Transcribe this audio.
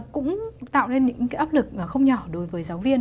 cũng tạo nên những cái áp lực không nhỏ đối với giáo viên